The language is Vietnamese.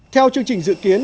theo chương trình dự kiến